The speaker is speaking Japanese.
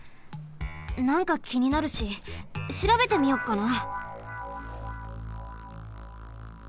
なんかきになるししらべてみよっかな。